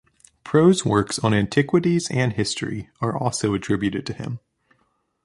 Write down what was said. Prose works on antiquities and history are also attributed to him.